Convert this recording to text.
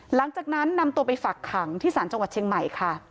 หลังจากนั้นนำตัวไปฝักขังที่ศาลจังหวัดเชียงใหม่ค่ะ